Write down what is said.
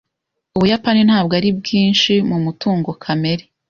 Ubuyapani ntabwo ari bwinshi mu mutungo kamere.